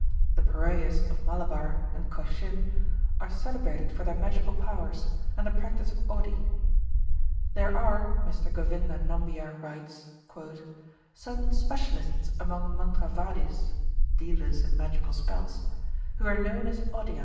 The Paraiyas of Malabar and Cochin are celebrated for their magical powers, and the practice of odi. "There are," Mr Govinda Nambiar writes, "certain specialists among mantravadis (dealers in magical spells), who are known as Odiyans.